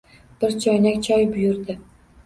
Bir choynak choy buyurdi.